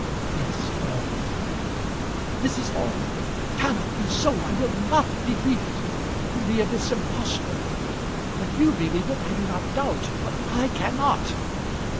"Yes, all." "Mrs. Orme, it cannot be so. I will not believe it. To me it is impossible. That you believe it I do not doubt, but I cannot.